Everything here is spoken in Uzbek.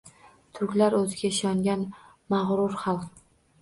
Turklar oʻziga ishongan, magʻrur xalq.